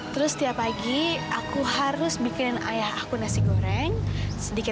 terus kamu dikapkin namanya gimana prajurit